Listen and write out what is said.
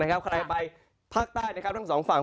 ใครไปภาคใต้ทั้งสองฝั่ง